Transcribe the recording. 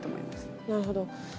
なるほど。